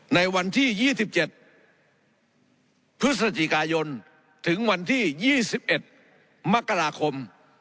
ในวันที่๒๗พฤศจิกายนถึงวันที่๒๑มกราคม